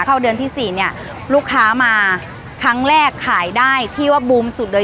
เข้าเดือนที่สี่เนี่ยลูกค้ามาครั้งแรกขายได้ที่ว่าบูมสุดเลย